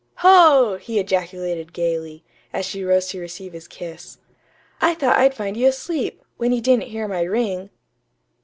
"Ho!" he ejaculated gayly, as she rose to receive his kiss. "I thought I'd find you asleep, when you didn't hear my ring."